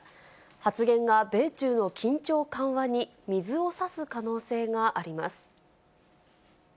発言が米中の緊張緩和に水をさす可能性があります。